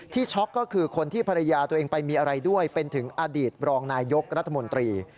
ช็อกก็คือคนที่ภรรยาตัวเองไปมีอะไรด้วยเป็นถึงอดีตรองนายยกรัฐมนตรี